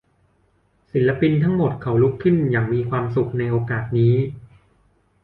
ศิลปินทั้งหมดเขาลุกขึ้นอย่างมีความสุขในโอกาสนี้